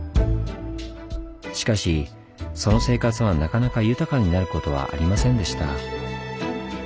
しかしその生活はなかなか豊かになることはありませんでした。